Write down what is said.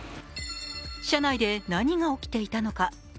車内で何が起きていたのか。